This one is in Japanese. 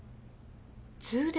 通電？